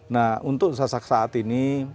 nah untuk sasak saat ini